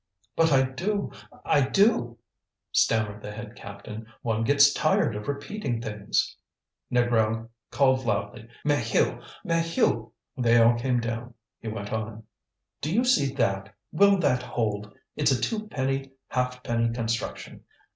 "But I do I do," stammered the head captain. "One gets tired of repeating things." Négrel called loudly: "Maheu! Maheu!" They all came down. He went on: "Do you see that? Will that hold? It's a twopenny halfpenny construction!